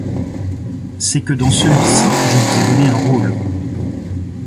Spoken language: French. C’est que dans celui-ci je vous ai donné un rôle.